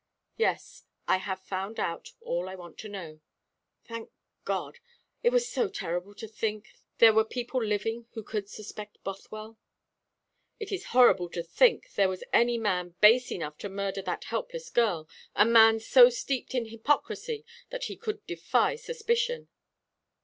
"Yes, I have found out all I want to know." "Thank God! It was so terrible to think there were people living who could suspect Bothwell." "It is horrible to think there was any man base enough to murder that helpless girl a man so steeped in hypocrisy that he could defy suspicion."